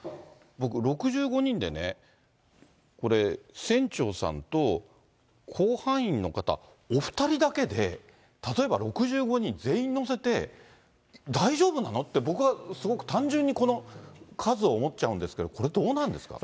僕、６５人でね、これ、船長さんと、甲板員の方、お２人だけで、例えば、６５人全員乗せて、大丈夫なのって、僕はすごく単純に、この数を思っちゃうんですけど、これ、どうなんですか。